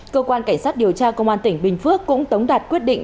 cơ quan cảnh sát điều tra cơ quan tỉnh bình phước cũng tống đạt quyết định